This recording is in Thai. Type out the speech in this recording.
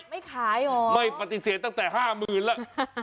ไม่ขายเหรอไม่ปฏิเสธตั้งแต่ห้าหมื่นแล้ว